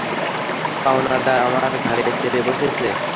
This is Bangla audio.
পাওনাদার আমার ঘাড়ে চেপে বসেছে।